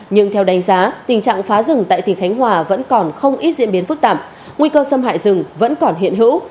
nhưng theo đánh giá tình trạng phá rừng tại tỉnh khánh hòa vẫn còn không ít diễn biến phức tạp nguy cơ xâm hại rừng vẫn còn hiện hữu